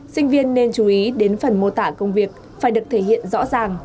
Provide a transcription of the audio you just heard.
sinh viên nên chú ý đến phần mô tả công việc phải được thể hiện rõ ràng